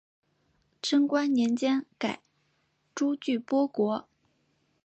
贞观年间改朱俱波国。